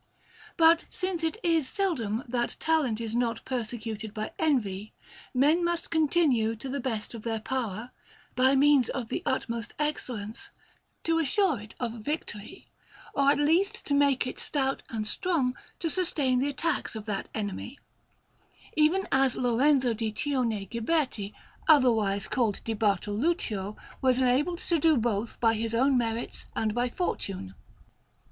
But since it is seldom that talent is not persecuted by envy, men must continue to the best of their power, by means of the utmost excellence, to assure it of victory, or at least to make it stout and strong to sustain the attacks of that enemy; even as Lorenzo di Cione Ghiberti, otherwise called Di Bartoluccio, was enabled to do both by his own merits and by fortune.